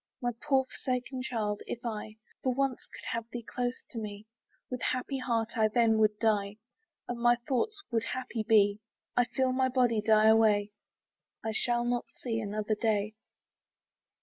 My poor forsaken child! if I For once could have thee close to me, With happy heart I then would die, And my last thoughts would happy be, I feel my body die away, I shall not see another day.